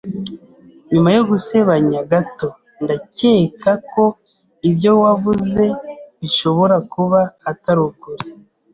Nyuma yo gusebanya gato, ndakeka ko ibyo wavuze bishobora kuba atari ukuri.